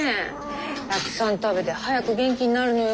たくさん食べて早く元気になるのよ。